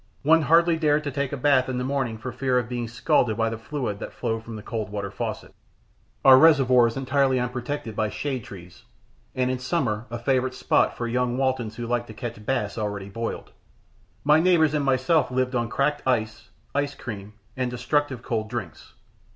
One hardly dared take a bath in the morning for fear of being scalded by the fluid that flowed from the cold water faucet our reservoir is entirely unprotected by shade trees, and in summer a favorite spot for young Waltons who like to catch bass already boiled my neighbors and myself lived on cracked ice, ice cream, and destructive cold drinks.